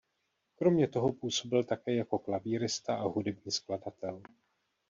Kromě toho působil také jako klavírista a hudební skladatel.